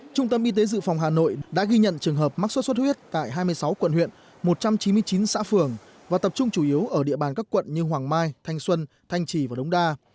trung tâm y tế dự phòng hà nội đã ghi nhận trường hợp mắc sốt xuất huyết tại hai mươi sáu quận huyện một trăm chín mươi chín xã phường và tập trung chủ yếu ở địa bàn các quận như hoàng mai thanh xuân thanh trì và đống đa